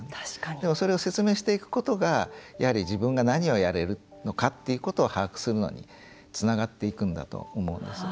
でも、それを説明していくことが自分が何をやれるかということを把握するのにつながっていくと思うんです。